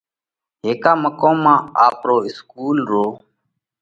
هيڪا مقوم مانه آپرو اِسڪُول رو